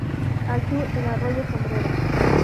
Al sur el arroyo Sombrero.